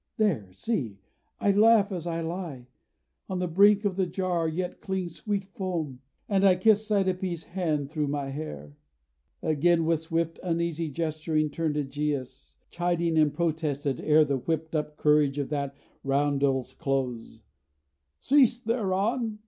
there. See, I laugh as I lie: on the brink of the jar yet clings Sweet foam; and I kiss Cydippe's hand thro' my hair.' Again, with swift uneasy gesturing Turned Ægeus, chiding, and protested ere The whipped up courage of that roundel's close: 'Cease, Theron!